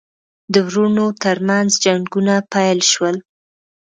د وروڼو ترمنځ جنګونه پیل شول.